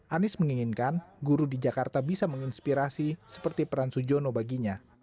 anies menginginkan guru di jakarta bisa menginspirasi seperti peran sujono baginya